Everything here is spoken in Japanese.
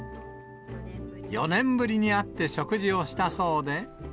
４年ぶりに会って食事をしたそうで。